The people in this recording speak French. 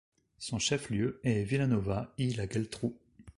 Son chef-lieu est Vilanova i la Geltrú.